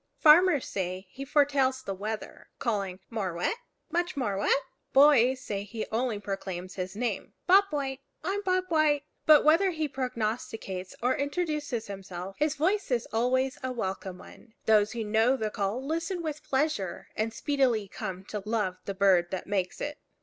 Farmers say he foretells the weather, calling, More wet much more wet! Boys say he only proclaims his name, Bob White! I'm Bob White! But whether he prognosticates or introduces himself, his voice is always a welcome one. Those who know the call listen with pleasure, and speedily come to love the bird that makes it.